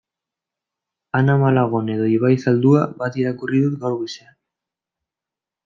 Ana Malagon edo Iban Zaldua bat irakurri dut gaur goizean.